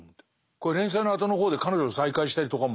これ連載の後の方で彼女と再会したりとかも。